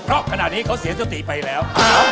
เพราะขณะนี้เขาเสียสติไปแล้ว